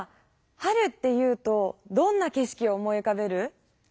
春っていうとどんなけ色を思いうかべる？